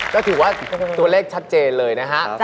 ก็ถือว่าตัวเลขชัดเจนเลยนะฮะ